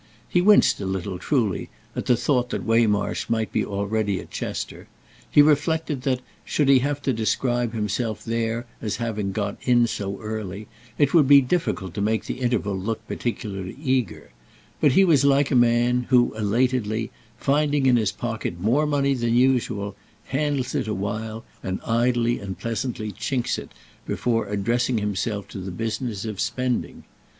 He winced a little, truly, at the thought that Waymarsh might be already at Chester; he reflected that, should he have to describe himself there as having "got in" so early, it would be difficult to make the interval look particularly eager; but he was like a man who, elatedly finding in his pocket more money than usual, handles it a while and idly and pleasantly chinks it before addressing himself to the business of spending.